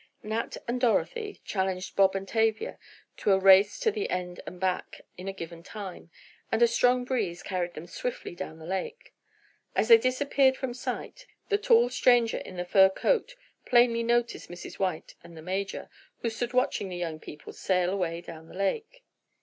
Nat and Dorothy challenged Bob and Tavia to a race to the end and back in a given time, and a strong breeze carried them swiftly down the lake. As they disappeared from sight, the tall stranger in the fur coat plainly noticed Mrs. White and the major, who stood watching the young people sail away down the lake.